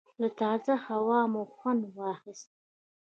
له تازه هوا مو خوند واخیست.